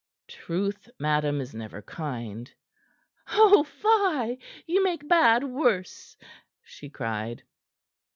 "Truth, madam, is never kind." "Oh, fie! You make bad worse!" she cried.